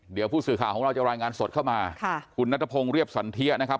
เดี๋ยวผู้สื่อข่าวของเราจะรายงานสดเข้ามาค่ะคุณนัทพงศ์เรียบสันเทียนะ